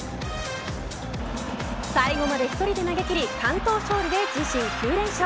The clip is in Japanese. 最後まで１人で投げ切り完投勝利で自身９連勝。